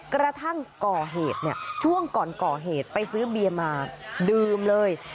กระทั่งก่อเหตุช่วงก่อนก่อเหตุไปซื้อเบียร์มาดื่มเลย